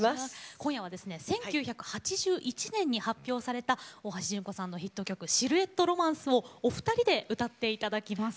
今夜は、１９８１年に発表された大橋純子さんのヒット曲「シルエット・ロマンス」をお二人で歌っていただきます。